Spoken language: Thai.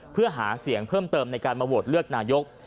เพื่อหาเสียงเพิ่มเติมในการมาโหวตเลือกนายก